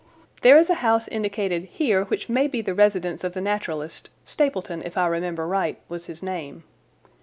There is a house indicated here which may be the residence of the naturalist—Stapleton, if I remember right, was his name.